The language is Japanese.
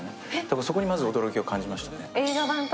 そこにまず驚きを感じましたね。